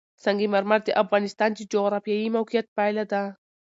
سنگ مرمر د افغانستان د جغرافیایي موقیعت پایله ده.